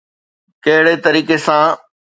ڪهڙي طريقي سان؟